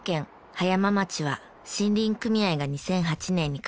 葉山町は森林組合が２００８年に解散。